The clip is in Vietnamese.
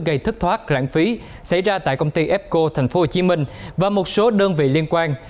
gây thất thoát lãng phí xảy ra tại công ty fco tp hcm và một số đơn vị liên quan